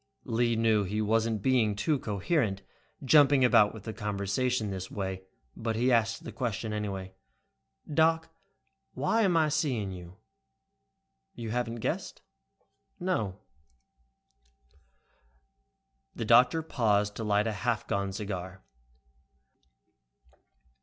Lee knew he wasn't being too coherent, jumping about with the conversation this way, but he asked the question, anyway. "Doc, why am I seeing you?" "You haven't guessed?" "No." The doctor paused to light a half gone cigar.